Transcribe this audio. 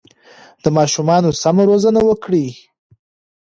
د ماشومانو سمه روزنه وکړئ.